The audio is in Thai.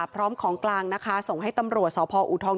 พร้อมของกลางนะคะส่งให้ตำรวจสพอูทอง